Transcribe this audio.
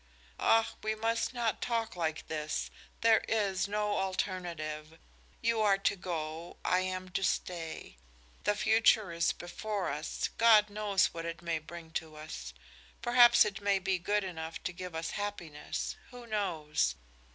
"Ach, we must not talk like this! There is no alternative. You are to go, I am to stay. The future is before us; God knows what it may bring to us. Perhaps it may be good enough to give us happiness who knows?